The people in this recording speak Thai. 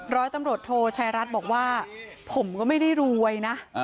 ร้อยตำรวจโทชัยรัฐบอกว่าผมก็ไม่ได้รวยนะ